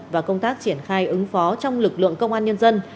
và công tác triển khai ứng phó trong lực lượng công an nhân dân